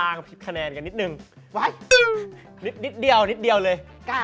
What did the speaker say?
นิดเดียวนิดเดียวเลย